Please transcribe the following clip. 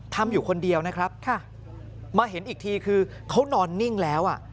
อยู่คนเดียวนะครับมาเห็นอีกทีคือเขานอนนิ่งแล้วอ่ะ